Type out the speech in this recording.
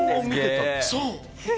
そう。